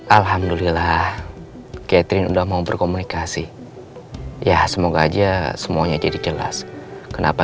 alhamdulillah catherine udah mau berkomunikasi ya semoga aja semuanya jadi jelas kenapa